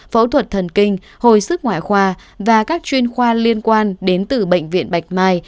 phẫu thuật thần kinh hồi sức ngoại khoa và các chuyên khoa liên quan đến từ bệnh viện bạch mai